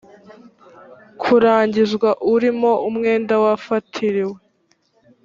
kuragizwa urimo umwenda wafatiriwe